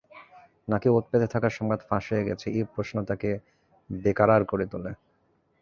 নাকি ওঁৎ পেতে থাকার সংবাদ ফাঁস হয়ে গেছে এই প্রশ্ন তাকে বেকারার করে তোলে।